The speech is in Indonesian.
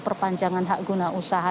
perpanjangan hak guna usaha